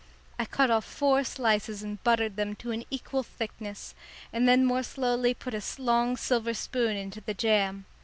I cut off four slices and buttered them to an equal thickness, and then more slowly put a long silver spoon into the jam.